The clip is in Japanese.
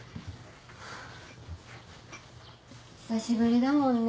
久しぶりだもんね